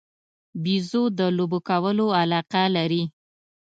بیزو د لوبو کولو علاقه لري.